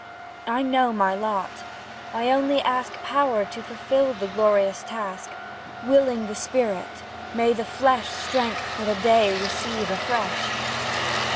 I know my lot I only ask Power to fulfil the glorious task; Willing the spirit, may the flesh Strength for the day receive afresh.